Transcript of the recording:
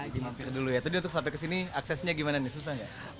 jadi mampir dulu ya tapi untuk sampai ke sini aksesnya gimana nih susah nggak